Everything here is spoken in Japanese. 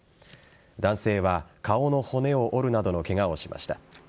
男性は、顔の骨を折るなどのケガをしました。